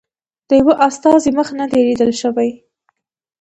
د یوه استازي مخ نه دی لیدل شوی.